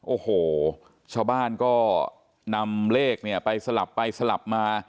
โอ้โหชาวบ้านก็นำเลขเนี่ยไปสลับไปสลับมา